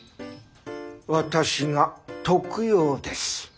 私が徳陽です。